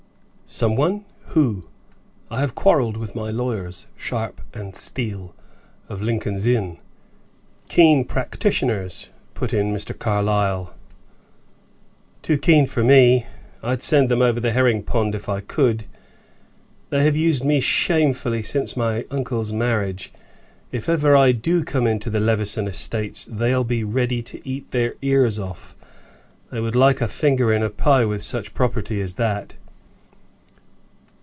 "Some one who? I have quarreled with my lawyers, Sharp & Steel, of Lincoln's Inn." "Keen practitioners," put in Mr. Carlyle. "Too keen for me. I'd send them over the herring pond if I could. They have used me shamefully since my uncle's marriage. If ever I do come into the Levison estates they'll be ready to eat their ears off; they would like a finger in a pie with such property as that."